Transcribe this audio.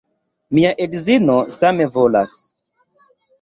Mia edzino same volas.